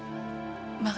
cantik sekali nak